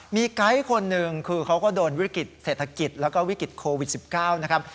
มีไกด์คนหนึ่งคือเขาก็โดนวิกฤตเศรษฐกิจแล้วก็วิกฤตโควิด๑๙นะครับ